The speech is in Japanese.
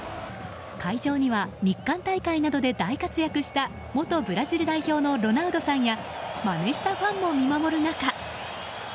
会場には日韓大会などで大活躍した元ブラジル代表のロナウドさんやまねしたファンも見守る中。